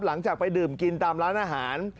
หลังจากไปดื่มกินตามร้านอาหาร